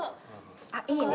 あっいいね。